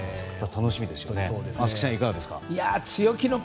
楽しみですね。